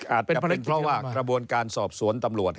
อาจจะเป็นเพราะว่ากระบวนการสอบสวนตำรวจ